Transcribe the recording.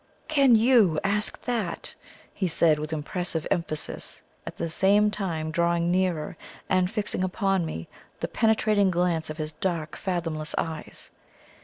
"Can YOU ask that?" he said with impressive emphasis, at the same time drawing nearer and fixing upon me the penetrating glance of his dark fathomless eyes.